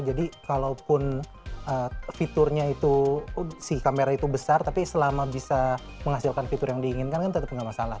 jadi kalaupun fiturnya itu si kamera itu besar tapi selama bisa menghasilkan fitur yang diinginkan kan tetap gak masalah